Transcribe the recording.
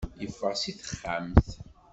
Yeffeɣ si texxamt.